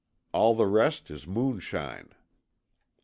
All the rest is moonshine."